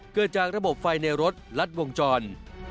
เกิดจากระบบไฟในรถลัดวงจร